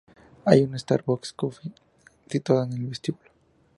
Hay un Starbucks Coffee situado en el vestíbulo.